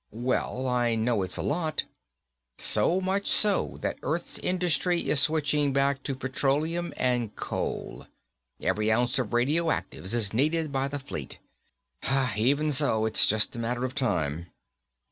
"Well, I know it's a lot." "So much so that Earth's industry is switching back to petroleum and coal. Every ounce of radioactives is needed by the Fleet. Even so, it's just a matter of time."